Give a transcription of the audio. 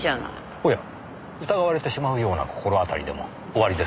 おや疑われてしまうような心当たりでもおありですか？